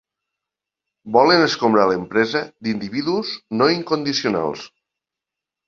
Volen escombrar l'empresa d'individus no incondicionals.